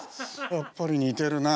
やっぱり似てるな。